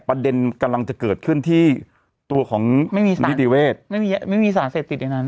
ประเด็นกำลังจะเกิดขึ้นที่ตัวของไม่มีสารไม่มีสารเสร็จติดในนั้น